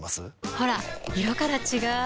ほら色から違う！